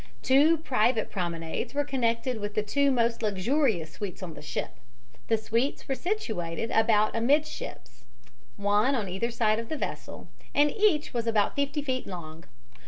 Two private promenades were connected with the two most luxurious suites on the ship. The suites were situated about amidships, one on either side of the vessel, and each was about fifty feet long.